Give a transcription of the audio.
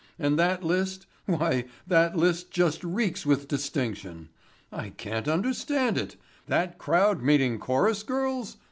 And that list—why that list just reeks with distinction. I can't understand it. That crowd meeting chorus girls?